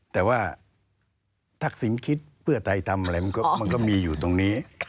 แต่ว่าทักษิณคิดเพื่อไทยทำอะไรมันก็มีอยู่ตรงนี้